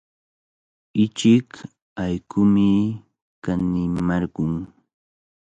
Ichik allqumi kanimarqun.